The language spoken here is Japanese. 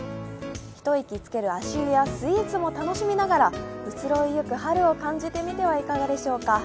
一息つける足湯やスイーツを楽しみながら移ろいゆく春を感じてみてはいかがでしょうか。